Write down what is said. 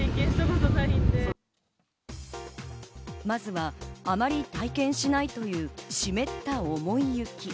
まずは、あまり体験しないという湿った重い雪。